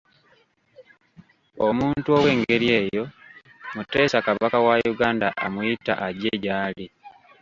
Omuntu ow'engeri eyo, Mutesa Kabaka wa Uganda amuyita ajje gy'ali.